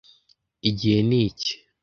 Igihe ni iki